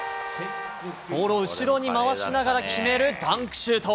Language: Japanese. ボールを後ろに回しながら決める、ダンクシュート。